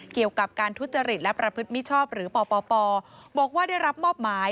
เกี่ยวกับการทุจริตและประพฤติมิชชอบหรือปปบอกว่าได้รับมอบหมาย